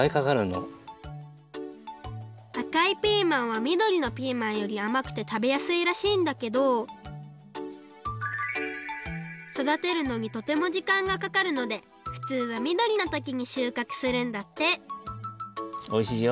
あかいピーマンはみどりのピーマンよりあまくてたべやすいらしいんだけどそだてるのにとてもじかんがかかるのでふつうはみどりのときにしゅうかくするんだっておいしいよ。